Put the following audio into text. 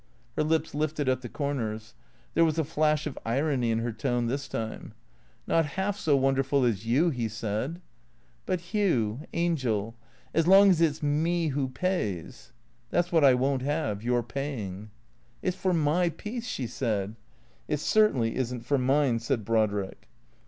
(Her lips lifted at the corners. There was a flash of irony in her tone, this time.) " Not half so wonderful as you," he said. " But — Hugh —• angel — as long as it 's me who pays "" That 's what I won't have — your paying." " It 's for my peace," she said. " It certainly is n't for mine," said Brodrick.